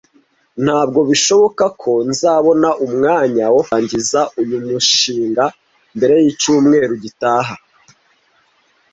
Ntabwo bishoboka ko nzabona umwanya wo kurangiza uyu mushinga mbere yicyumweru gitaha.